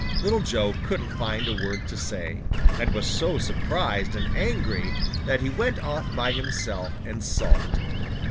Little Joe couldn't find a word to say. He was so surprised and angry that he went off by himself and sulked.